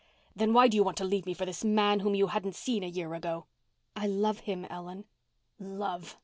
"Then why do you want to leave me for this man whom you hadn't seen a year ago?" "I love him, Ellen." "Love!